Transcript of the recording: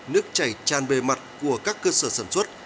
nước chảy tràn bề mặt của các cơ sở sản xuất